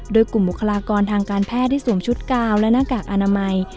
โดยกลุ่มบุคลากรทางการแพทย์ที่สวมชุดกาวและหน้ากากอนามัย